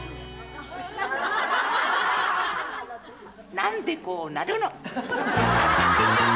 何でこうなるの！